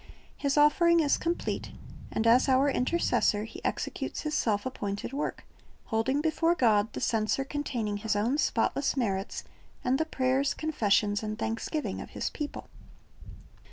His offering is complete, and as our Intercessor He executes His self appointed work, holding before God the censer containing His own spotless merits and the prayers, confessions, and thanksgiving of His people.